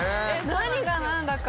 何が何だか。